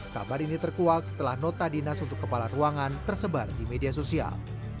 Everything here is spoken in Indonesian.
kabar ini terkuak setelah nota dinas untuk kepala ruangan tersebar di media sosial